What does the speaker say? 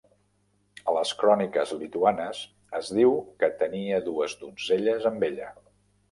A les Cròniques Lituanes es diu que tenia dues donzelles amb ella.